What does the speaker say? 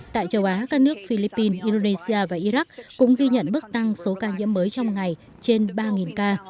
tại châu á các nước philippines indonesia và iraq cũng ghi nhận bức tăng số ca nhiễm mới trong ngày trên ba ca